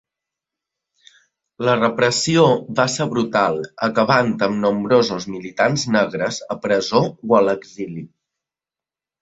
La repressió va ser brutal acabant amb nombrosos militants negres a presó o a l'exili.